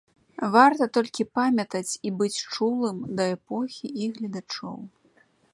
Варта толькі памятаць і быць чулым да эпохі і гледачоў.